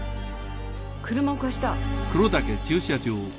車を貸した？